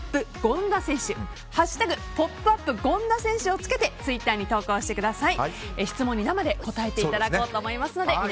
「＃ポップＵＰ権田選手」をつけてツイッターに投稿してください。